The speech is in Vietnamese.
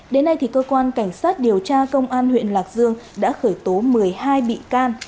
đến nay cơ quan cảnh sát điều tra công an huyện lạc dương đã khởi tố một mươi hai bị can